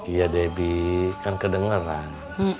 iya debbie kan kedengeran